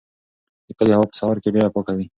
د کلي هوا په سهار کې ډېره پاکه وي.